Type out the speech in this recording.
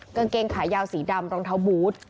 กางเกงขายาวสีดำรองเท้าบูธ